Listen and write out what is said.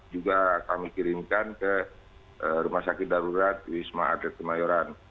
juga kami kirimkan ke rumah sakit darurat wisma atlet kemayoran